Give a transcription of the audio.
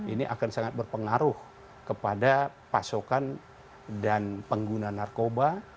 ini akan sangat berpengaruh kepada pasokan dan pengguna narkoba